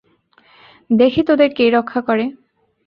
দেখি তোদের কে রক্ষা করে।